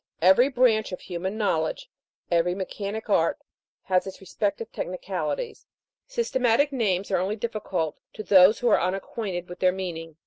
Every branch of human know ledge every mechanic art, has its respective tech nicalities. Systematic names are only difficult to X PREFACE. those who are unacquainted with their meaning.